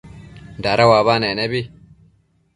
dada uabanec nebi